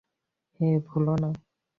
হেই, ভুলো না।